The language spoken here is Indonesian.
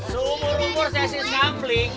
semuruh muruh sesi sambling